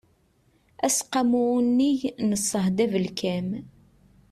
aseqqamu unnig n ṣṣehd abelkam